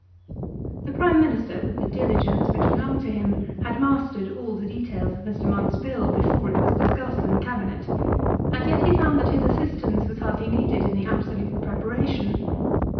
The Prime Minister, with the diligence which belonged to him, had mastered all the details of Mr. Monk's Bill before it was discussed in the Cabinet, and yet he found that his assistance was hardly needed in the absolute preparation.